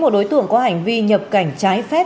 một đối tượng có hành vi nhập cảnh trái phép